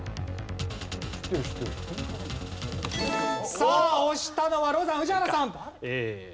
さあ押したのはロザン宇治原さん！